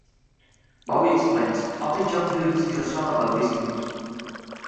Bowie explains: All the Young Dudes is a song about this news.